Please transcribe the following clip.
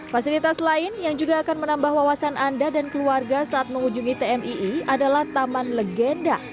fasilitas lain yang juga akan menambah wawasan anda dan keluarga saat mengunjungi tmii adalah taman legenda